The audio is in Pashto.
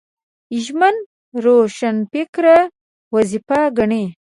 ژمن روښانفکر وظیفه ګڼي